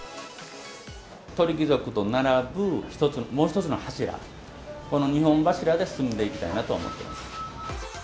鳥貴族と並ぶもう一つの柱、この２本柱で進んでいきたいなと思っています。